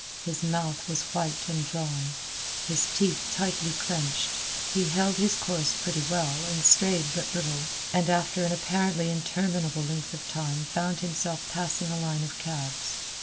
His mouth was white and drawn, his teeth tightly clinched. He held his course pretty well and strayed but little, and after an apparently interminable length of time found himself passing a line of cabs.